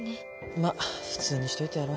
まっ普通にしといてやろ。